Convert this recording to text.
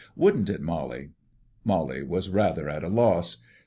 "Wouldn't it, Mollie?" Mollie was rather at a loss.